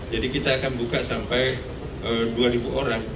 jadi kita akan buka sampai dua orang